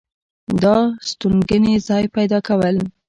دا ستوګنې ځاے پېدا كول